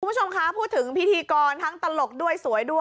คุณผู้ชมคะพูดถึงพิธีกรทั้งตลกด้วยสวยด้วย